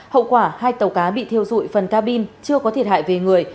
hậu quả hai tàu cá bị thiêu rụi phần ca bin chưa có thiệt hại về người